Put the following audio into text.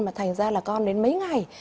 mà thành ra là con đến mấy ngày